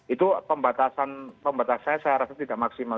itu pembatasannya saya rasa tidak maksimal